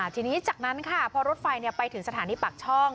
ทีนี้จากนั้นค่ะพอรถไฟไปถึงสถานีปากช่อง